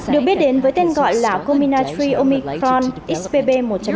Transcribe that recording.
được biết đến với tên gọi là cominatri omicron xbb một năm